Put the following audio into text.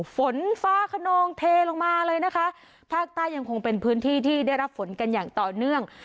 ฝนฟ้าขนองเทลงมาเลยนะคะภาคใต้ยังคงเป็นพื้นที่ที่ได้รับฝนกันอย่างต่อเนื่อง